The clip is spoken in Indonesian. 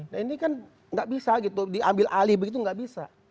nah ini kan nggak bisa gitu diambil alih begitu nggak bisa